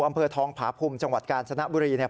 อำเภอทองผาพุมจังหวัดกาลสนบุรี